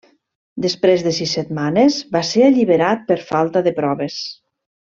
Després de sis setmanes va ser alliberat per falta de proves.